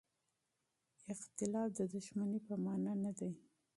اختلاف د دښمنۍ په مانا نه دی.